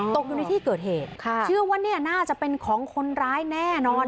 ตกอยู่ในที่เกิดเหตุเชื่อว่าเนี่ยน่าจะเป็นของคนร้ายแน่นอน